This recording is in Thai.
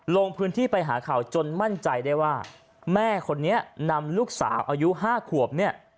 ลงพื้นที่ไปหาข่าวจนมั่นใจได้ว่าแม่คนนี้นำลูกสาวอายุ๕ขวบเนี่ย